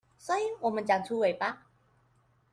所以我們長出尾巴